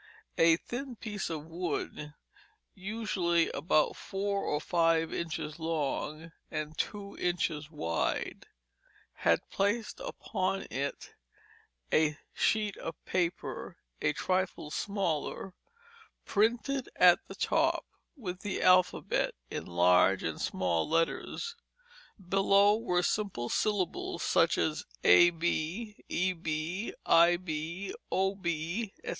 A thin piece of wood, usually about four or five inches long and two inches wide, had placed upon it a sheet of paper a trifle smaller, printed at the top with the alphabet in large and small letters; below were simple syllables such as ab, eb, ib, ob, etc.